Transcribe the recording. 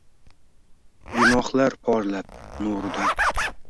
gunohlar porlab, nuridan